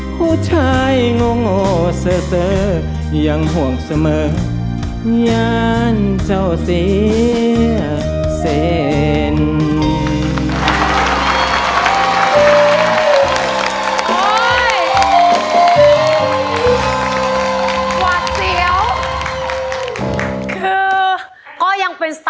ผู้ชายโง่เซอร์ยังห่วงเสมองานเจ้าเสียเซน